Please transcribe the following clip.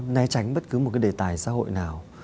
né tránh bất cứ một cái đề tài xã hội nào